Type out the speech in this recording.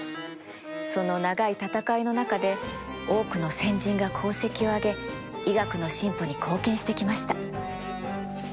その長い闘いの中で多くの先人が功績をあげ医学の進歩に貢献してきました。